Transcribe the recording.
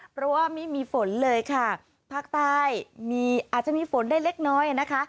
เพราะว่าไม่มีฝนเลยค่ะภาคใต้มีอาจจะมีฝนได้เล็กน้อยนะคะ